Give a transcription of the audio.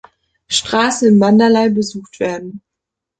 Straße in Mandalay besucht werden.